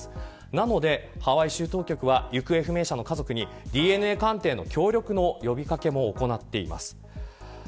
なので、ハワイ州当局は行方不明者の家族にＤＮＡ鑑定の協力の呼び掛けも行っています。